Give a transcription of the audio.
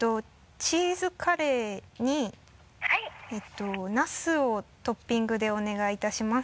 チーズカレーにナスをトッピングでお願いいたします。